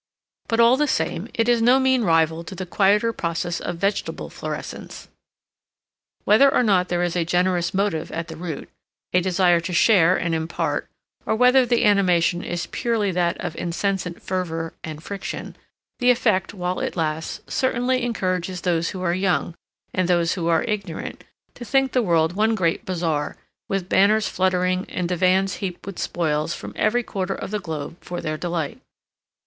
But, all the same, it is no mean rival to the quieter process of vegetable florescence. Whether or not there is a generous motive at the root, a desire to share and impart, or whether the animation is purely that of insensate fervor and friction, the effect, while it lasts, certainly encourages those who are young, and those who are ignorant, to think the world one great bazaar, with banners fluttering and divans heaped with spoils from every quarter of the globe for their delight.